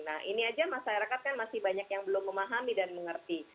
nah ini aja masyarakat kan masih banyak yang belum memahami dan mengerti